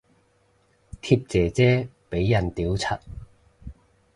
貼姐姐俾人屌柒